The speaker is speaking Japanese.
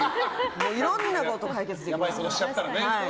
もういろんなこと解決できますから。